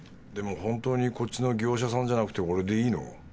でも本当にこっちの業者さんじゃなくて俺でいいの？